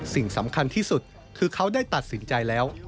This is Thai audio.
สิ่งสำคัญที่สุดคือเขาได้ตัดสินใจแล้ว